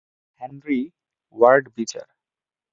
Henry Ward বিচার।